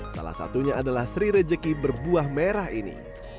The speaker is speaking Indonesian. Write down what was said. salah satunya adalah sri rejeki berbuah merah ini